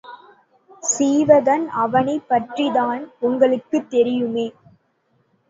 சீவகன் அவனைப் பற்றித்தான் உங்களுக்குத் தெரியுமே!